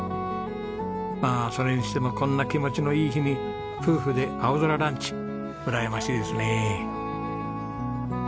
まあそれにしてもこんな気持ちのいい日に夫婦で青空ランチうらやましいですね。